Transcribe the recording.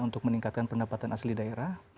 untuk meningkatkan pendapatan asli daerah